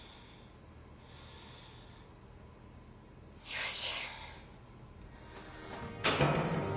よし。